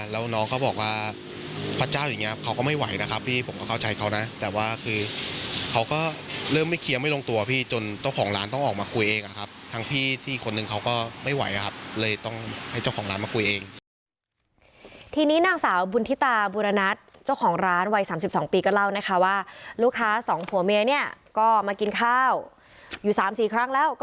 แล้วน้องเขาบอกว่าพระเจ้าอย่างเงี้ยเขาก็ไม่ไหวนะครับพี่ผมก็เข้าใจเขานะแต่ว่าคือเขาก็เริ่มไม่เคลียร์ไม่ลงตัวพี่จนเจ้าของร้านต้องออกมาคุยเองอะครับทั้งพี่ที่อีกคนนึงเขาก็ไม่ไหวครับเลยต้องให้เจ้าของร้านมาคุยเองทีนี้นางสาวบุญทิตาบุรณัทเจ้าของร้านวัยสามสิบสองปีก็เล่านะคะว่าลูกค้าสองผัวเมียเนี่ยก็มากินข้าวอยู่สามสี่ครั้งแล้วก็